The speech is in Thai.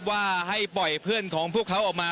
ว่าให้ปล่อยเพื่อนของพวกเขาออกมา